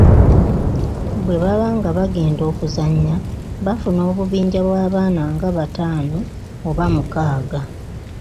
Bwe baba nga bagenda okuzannya, bafuna obubinja bw’abaana nga bataano oba mukaaga.